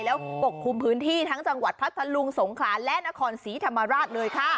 แล้วปกคลุมพื้นที่ทั้งจังหวัดพัทธลุงสงขลาและนครศรีธรรมราชเลยค่ะ